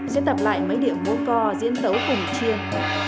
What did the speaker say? sẽ tập lại mấy điểm mối co diễn tấu cùng chiên